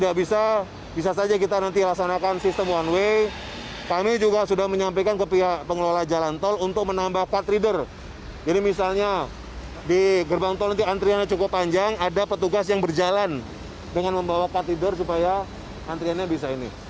kalau antriannya cukup panjang ada petugas yang berjalan dengan membawa card reader supaya antriannya bisa ini